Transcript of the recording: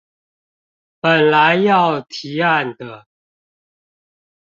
本來要提案的